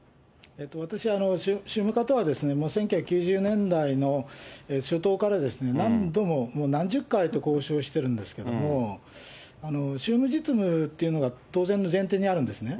私は宗務課とは１９９０年代の初頭から何度ももう、何十回と交渉してるんですけど、宗務実務っていうのが当然の前提にあるんですね。